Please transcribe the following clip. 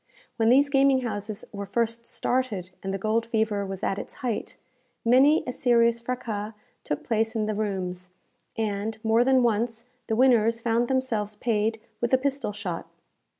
When these gaming houses were first started, and the gold fever was at its height, many a serious fraças took place in the rooms, and, more than once, the winners found themselves paid with a pistol shot.